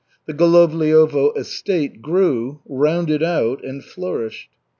The Golovliovo estate grew, rounded out, and flourished.